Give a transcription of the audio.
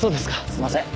すいません。